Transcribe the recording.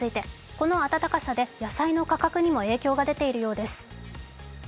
この暖かさで野菜の価格にも影響が出ているようです。